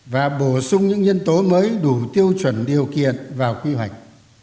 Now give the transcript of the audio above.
và bổ sung những nhân tố mới đủ tiêu chuẩn điều kiện vào quy hoạch